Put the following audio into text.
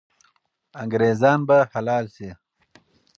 انګریزان به حلال سي.